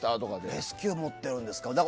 レスキュー持ってるんですかって。